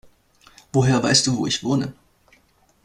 Woher weißt du, wo ich wohne?